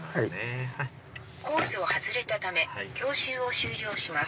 「コースを外れたため教習を終了します」